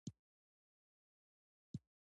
بامیان د افغانستان د دوامداره پرمختګ لپاره اړین دي.